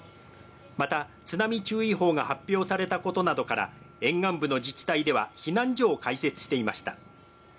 また津波注意報が発表されたことなどから、沿岸部の自治体では避難所を開設していました。